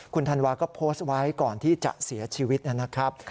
คุณธันวาก็โพสต์ไว้ก่อนที่จะเสียชีวิตนะครับ